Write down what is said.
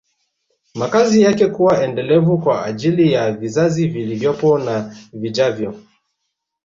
Makazi yake kuwa endelevu kwa ajili ya vizazi vilivyopo na vijavyo